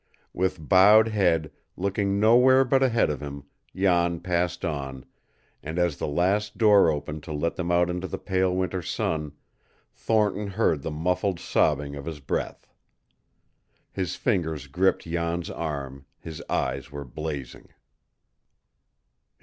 With bowed head, looking nowhere but ahead of him, Jan passed on, and as the last door opened to let them out into the pale winter sun, Thornton heard the muffled sobbing of his breath. His fingers gripped Jan's arm, his eyes were blazing.